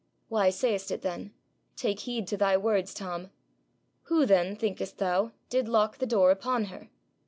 'Why say'st it then? Take heed to thy words, Tom. Who then, thinkest thou, did lock the door upon her?'